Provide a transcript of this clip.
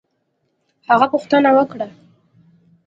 هغه پوښتنه وکړه